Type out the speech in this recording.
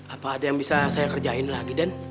apa ada yang bisa saya kerjain lagi den